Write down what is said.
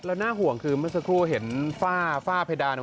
แล้วน่าห่วงคือเมื่อสักครู่เห็นฝ้าเพดาน